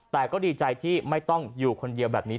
แต่ก็ดีใจที่ไม่ต้องอยู่คนเดียวแบบนี้